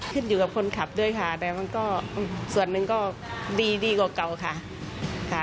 ขึ้นอยู่กับคนขับด้วยค่ะแต่มันก็ส่วนหนึ่งก็ดีดีกว่าเก่าค่ะ